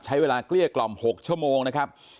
เกลี้ยกล่อม๖ชั่วโมงนะครับ